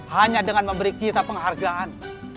hanya dengan memberi kita penghargaan